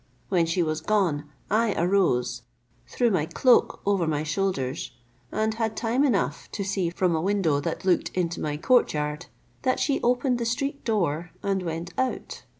When she was gone, I arose, threw my cloak over my shoulders, and had time enough to see from a window that looked into my court yard, that she opened the street door and went out.